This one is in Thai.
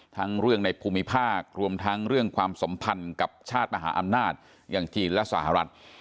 ทั้งเรื่องในภูมิภาครวมทั้งเรื่องความสัมพันธ์กับชาติมหาอำนาจอย่างจีนและสหรัฐ